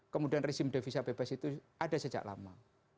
kemudian resim devisa bebas itu ada sejak lama